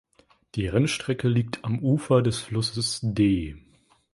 Die Rennstrecke liegt am Ufer des Flusses Dee.